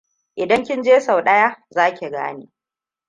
Idan kin je sau ɗaya, za ki gane.